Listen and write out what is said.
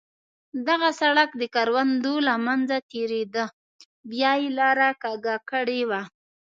دغه سړک د کروندو له منځه تېرېده، بیا یې لاره کږه کړې وه.